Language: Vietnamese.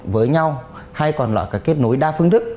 với nhau hay còn là kết nối đa phương thức